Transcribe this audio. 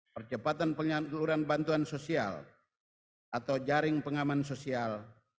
percepatan penyaluran bantuan sosial atau jaring pengaman sosial